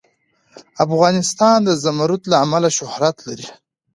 افغانستان د زمرد له امله شهرت لري.